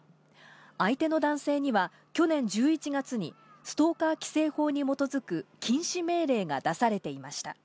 相手の男性には去年１１月に、ストーカー規制法に基づく禁止命令が出されていました。